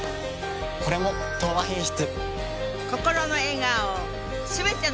これも「東和品質」。